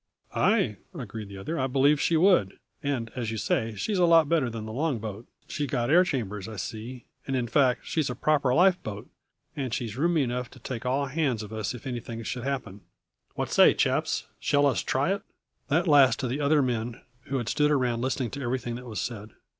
"Ay," agreed the other, "I believe she would. And, as you say, she's a lot better than the long boat; she've got air chambers, I see, and in fact she's a proper life boat, and she's roomy enough to take all hands of us if anything should happen. What say, chaps, shall us try it?" This last to the other men, who had stood around listening to everything that was said.